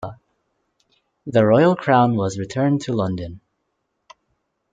The Royal Crown was returned to London.